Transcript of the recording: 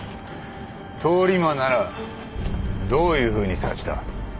通り魔ならどういうふうに刺した？